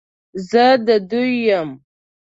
زه د دوی یم،